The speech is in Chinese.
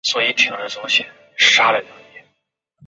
父宁阳侯陈懋。